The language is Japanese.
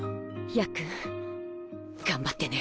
やっくん頑張ってね！